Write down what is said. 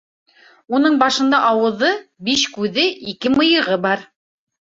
— Уның башында ауыҙы, биш күҙе, ике мыйығы бар.